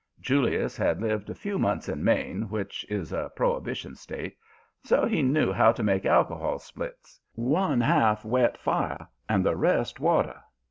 Julius had lived a few months in Maine, which is a prohibition State, and so he knew how to make alcohol 'splits' one half wet fire and the rest water.